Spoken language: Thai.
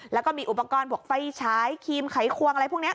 แล้วก็มีอุปกรณ์พวกไฟฉายครีมไขควงอะไรพวกนี้